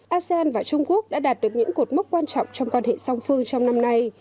asean và trung quốc đã đạt được những cột mốc quan trọng trong quan hệ song phương trong năm nay